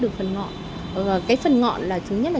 được phần ngọn cái phần ngọn là thứ nhất là